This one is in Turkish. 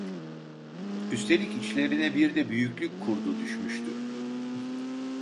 Üstelik içlerine bir de büyüklük kurdu düşmüştü: